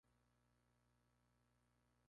Seiya Yamaguchi